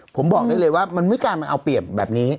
ผมบอกได้เลยว่ามันไม่การมาเอาเปรียบแบบนี้